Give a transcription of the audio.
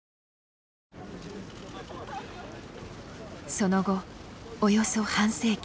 その後およそ半世紀。